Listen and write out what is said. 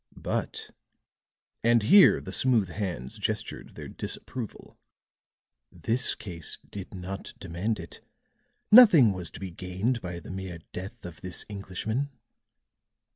But," and here the smooth hands gestured their disapproval, "this case did not demand it. Nothing was to be gained by the mere death of this Englishman."